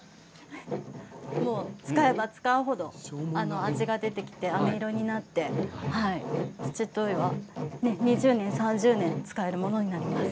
使えば使う程味が出てきて、あめ色になって七島藺は２０年３０年使えるものになります。